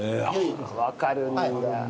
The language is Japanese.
わかるんだ。